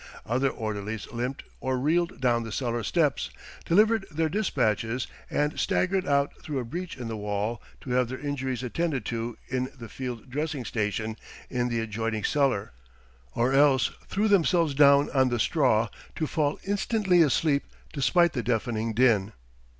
Other orderlies limped or reeled down the cellar steps, delivered their despatches, and, staggered out through a breach in the wall to have their injuries attended to in the field dressing station in the adjoining cellar, or else threw themselves down on the straw to fall instantly asleep despite the deafening din.